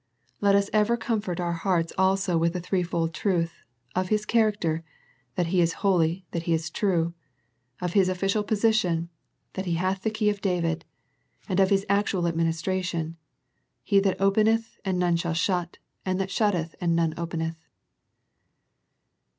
Let us ever comfort our hearts also with the threefold truth, of His character, " He that is holy. He that is true ;" of His official position, " He that hath the key of David ;" and of His actual administration, " He that openeth, and none shall shut, and that shutteth and none openeth."